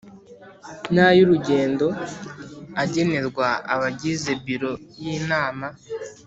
n ay urugendo agenerwa abagize Biro y Inama